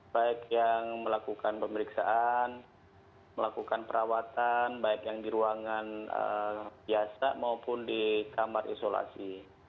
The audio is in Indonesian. baik yang melakukan pemeriksaan melakukan perawatan baik yang di ruangan biasa maupun di kamar isolasi